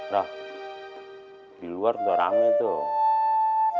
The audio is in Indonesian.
rah di luar dorangnya tuh